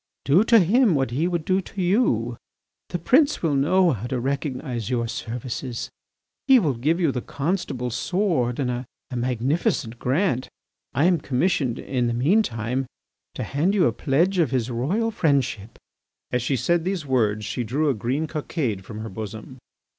"Do to him what he would do to you. The prince will know how to recognise your services, He will give you the Constable's sword and a magnificent grant. I am commissioned, in the mean time, to hand you a pledge of his royal friendship." As she said these words she drew a green cockade from her bosom.